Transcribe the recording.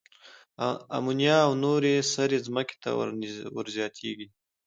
آمونیا او نورې سرې ځمکې ته ور زیاتیږي.